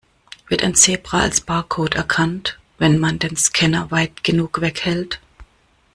Wird ein Zebra als Barcode erkannt, wenn man den Scanner weit genug weghält?